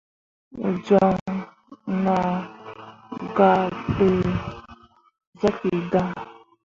Wǝ joŋ nah gah dǝ zaki dan.